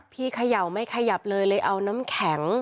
เขย่าไม่ขยับเลยเลยเอาน้ำแข็ง